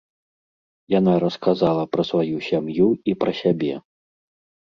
Яна расказала пра сваю сям'ю і пра сябе.